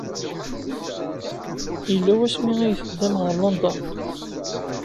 Yella wasmi ay teddam ɣer London?